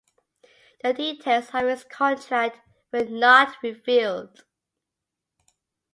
The details of his contract were not revealed.